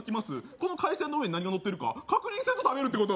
この海鮮丼の上に何がのってるか確認せず食べるってこと？